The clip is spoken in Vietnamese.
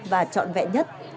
và chọn vẹn nhất